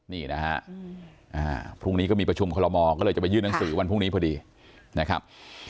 นี่นะฮะพรุ่งนี้ก็มีประชุมคอลโมก็เลยจะไปยื่นหนังสือวันพรุ่งนี้พอดีนะครับ